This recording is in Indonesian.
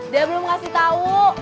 dia belum kasih tahu